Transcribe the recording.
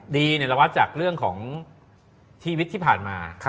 ดีเนี่ยเราวัดจากเรื่องของทีวิตที่ผ่านมา